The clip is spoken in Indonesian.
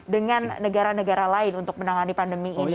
dengan negara negara lain untuk menangani pandemi ini